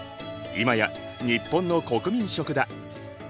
今や日本の国民食だ。